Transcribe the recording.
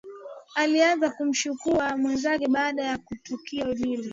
Alianza kumshuku mwenzake baada ya tukio lile